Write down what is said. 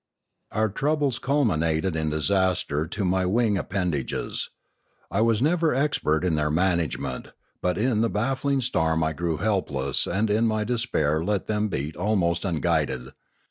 Our troubles culminated in disaster to my wing ap pendages. I was never expert in their management, but in the baffling storm I grew helpless and in my de spair let them beat almost unguided.